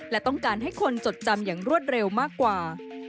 และต้องการให้คนจดจำอย่างรวดเร็วมากกว่า